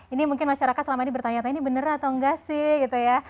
ini mungkin masyarakat selama ini bertanya tanya ini bener atau enggak sih gitu ya